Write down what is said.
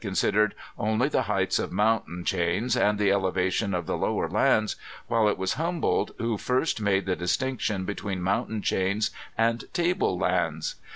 10* considered only the heights of mountain chains, and the eleva tion of the lower lands, while it was Humboldt who first made the distinction between mountain chains and table lands.